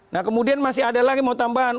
nah kemudian masih ada lagi mau tambahan